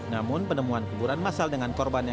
namun penemuan kuburan massal dengan korban